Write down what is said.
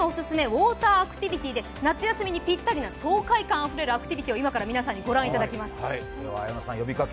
ウォーターアクティビティーで夏休みにぴったりな爽快感あふれるアクティビティーを今から皆さんに御覧いただきます。